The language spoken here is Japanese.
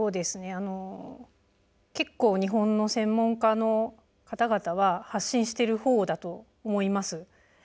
あの結構日本の専門家の方々は発信してるほうだと思います。